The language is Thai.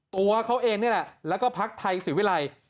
ตัวเขาเองนี่แหละแล้วก็พักไทยศิวิลัย